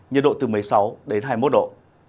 nhiệt độ từ một mươi sáu đến hai mươi một độ